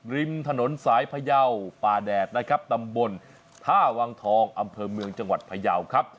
ริมถนนสายพยาวป่าแดดนะครับตำบลท่าวังทองอำเภอเมืองจังหวัดพยาวครับ